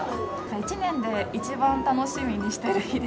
１年で一番楽しみにしてる日で。